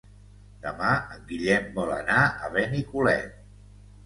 Demà en Guillem vol anar a Benicolet.